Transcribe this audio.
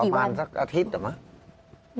ประมาณสักอาทิตย์เหรอไหม